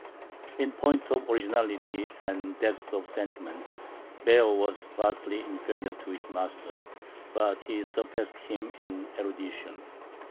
In point of originality and depth of sentiment Baer was vastly inferior to his master, but he surpassed him in erudition.